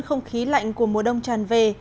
không khí lạnh của mùa đông tràn về